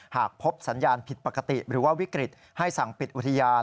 หากพบสัญญาณผิดปกติหรือว่าวิกฤตให้สั่งปิดอุทยาน